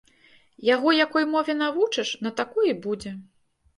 Яго якой мове навучыш, на такой і будзе.